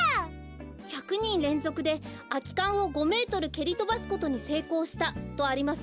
「１００にんれんぞくであきかんを５メートルけりとばすことにせいこうした」とありますね。